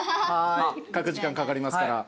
書く時間かかりますから。